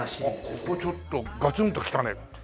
ここちょっとガツンときたね。